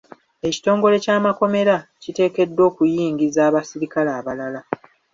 Ekitongole ky'amakomera kiteekeddwa okuyingiza abaserikale abalala.